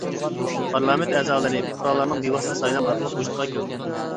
پارلامېنت ئەزالىرى پۇقرالارنىڭ بىۋاسىتە سايلام ئارقىلىق ۋۇجۇدقا كېلىدۇ.